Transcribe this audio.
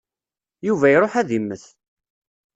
Yuba iṛuḥ ad immet.